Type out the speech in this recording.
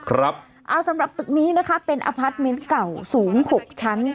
ครับอ่าสำหรับตึกนี้นะคะเป็นอพัฒน์เม้นต์เก่าสูงหกชั้น